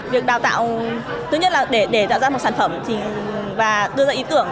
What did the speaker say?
việc đào tạo thứ nhất là để tạo ra một sản phẩm và đưa ra ý tưởng